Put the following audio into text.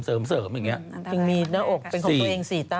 จริงเน่าอกเป็นใส่ตัวเอง๔เต้าแม่คุณมั่นเน่า